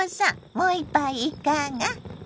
もう一杯いかが？